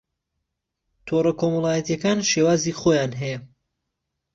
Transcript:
تۆڕەکۆمەڵایەتییەکان شێوازی خۆیان هەیە